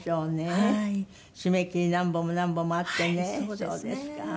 そうですか。